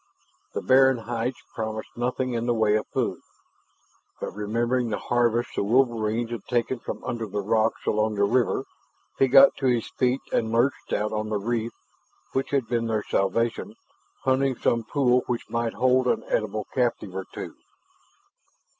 The barren heights promised nothing in the way of food, but remembering the harvest the wolverines had taken from under the rocks along the river, he got to his feet and lurched out on the reef which had been their salvation, hunting some pool which might hold an edible captive or two.